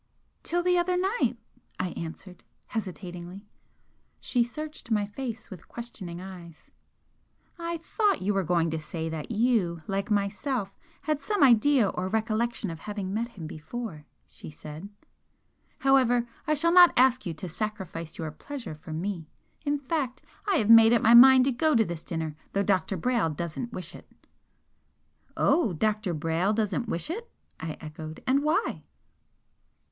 "Till the other night," I answered, hesitatingly. She searched my face with questioning eyes. "I thought you were going to say that you, like myself, had some idea or recollection of having met him before," she said. "However, I shall not ask you to sacrifice your pleasure for me, in fact, I have made up my mind to go to this dinner, though Dr. Brayle doesn't wish it." "Oh! Dr. Brayle doesn't wish it!" I echoed "And why?"